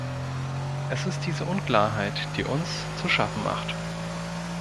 Es ist diese Unklarheit, die uns zu schaffen macht.